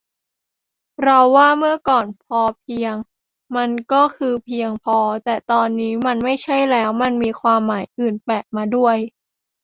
เราว่า เมื่อก่อน พอเพียง มันก็คือ เพียงพอ แต่ตอนนี้มันไม่ใช่แล้ว มันมีความหมายอื่นแปะมาด้วย